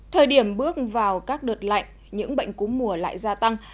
thời điểm bước vào các đợt lạnh những bệnh cúm mùa lại gia tăng